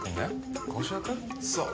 そう。